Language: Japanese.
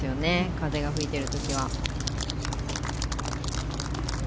風が吹いてる時は。